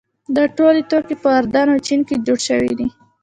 دا ټول توکي په اردن او چین کې جوړ شوي دي.